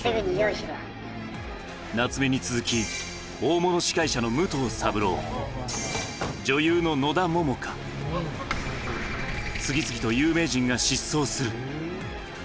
夏目に続き、大物司会者の武藤三朗、女優の野田桃花、次々と有名人が失踪する。